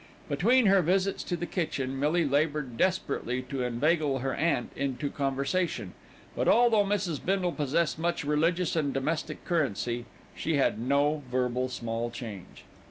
Between her visits to the kitchen, Millie laboured desperately to inveigle her aunt into conversation; but although Mrs. Bindle possessed much religious and domestic currency, she had no verbal small change.